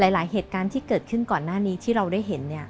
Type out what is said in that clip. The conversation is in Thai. หลายเหตุการณ์ที่เกิดขึ้นก่อนหน้านี้ที่เราได้เห็น